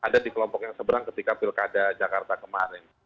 ada di kelompok yang seberang ketika pilkada jakarta kemarin